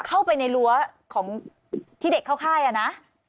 เข้าไปในรั้วของที่เด็กเข้าค่ายอะนะ